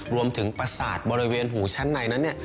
ประสาทบริเวณหูชั้นในนั้น